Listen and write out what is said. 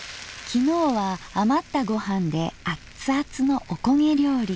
昨日は余ったごはんでアッツアツのおこげ料理。